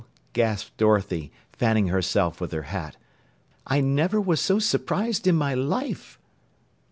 gasped Dorothy, fanning herself with her hat, "I never was so s'prised in my life!"